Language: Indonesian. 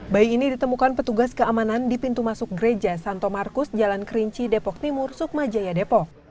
bayi ini ditemukan petugas keamanan di pintu masuk gereja santo markus jalan kerinci depok timur sukmajaya depok